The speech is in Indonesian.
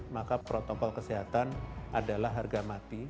maka protokol kesehatan adalah harga mati